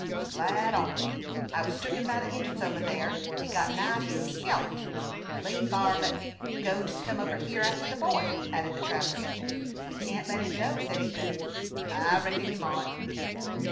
"Glad on't. I was tooken by the Injins over thar, and got nigh bein' skelped. Lean B'ar let me go to kim over here arter the boy," added the trapper. "We can't let him go," said Ethan. "I reckon you mought."